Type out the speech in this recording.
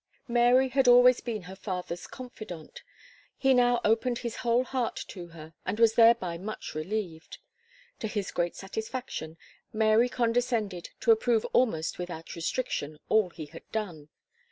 Mary had always been her father's confidante; he now opened his whole heart to her, and was thereby much relieved. To his great satisfaction, Mary condescended to approve almost without restriction, all he had done.